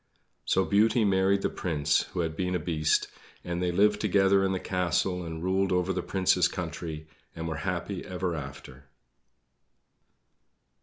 So Beauty married the Prince who had been a Beast, and they lived together in the castle and ruled over the Prince's country, and were happy ever after.